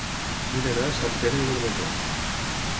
Vull anar a Sant Pere de Vilamajor